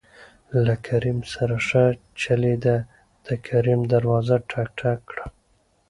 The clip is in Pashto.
له کريم سره ښه چلېده د کريم دروازه ټک، ټک کړه.